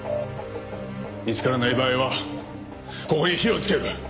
見つからない場合はここに火をつける。